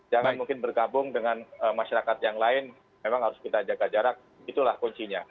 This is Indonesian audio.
jangan mungkin bergabung dengan masyarakat yang lain memang harus kita jaga jarak itulah kuncinya